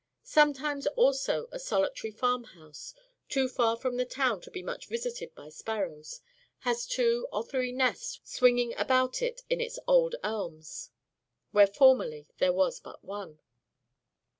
Sometimes also a solitary farmhouse, too far from the town to be much visited by sparrows, has two or three nests swinging about it in its old elms, where formerly there was but one.